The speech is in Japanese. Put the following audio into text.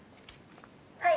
はい。